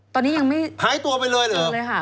ตอนนี้ยังไม่อยู่เลยค่ะหายตัวไปเลยเหรอ